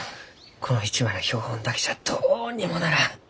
この一枚の標本だけじゃどうにもならん。